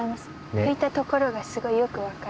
ふいたところがすごいよくわかる。